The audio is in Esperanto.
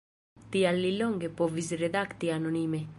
Tial li longe povis redakti anonime.